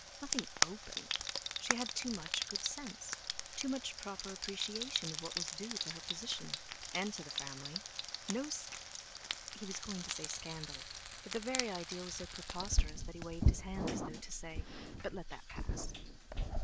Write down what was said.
Nothing open; she had too much good sense, too much proper appreciation of what was due to her position, and to the family! No sc—, he was going to say "scandal" but the very idea was so preposterous that he waved his hand as though to say—"but let that pass!"